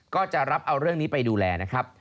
ก็จะรับเอาเรื่องนี้ไปดูแลนะครับ